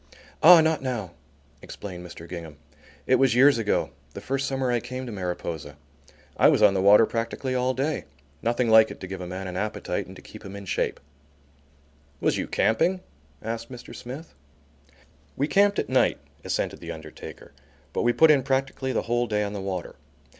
"Ah, not now," explained Mr. Gingham; "it was years ago, the first summer I came to Mariposa. I was on the water practically all day. Nothing like it to give a man an appetite and keep him in shape." "Was you camping?" asked Mr. Smith. "We camped at night," assented the undertaker, "but we put in practically the whole day on the water.